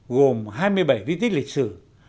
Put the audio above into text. gồm hai mươi bảy di tích lịch sử